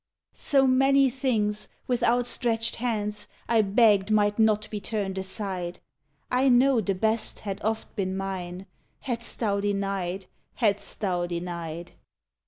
So many things, with outstretched hands, I begged might not be turned aside. I know the best had oft been mine Hadst Thou denied! Hadst Thou denied!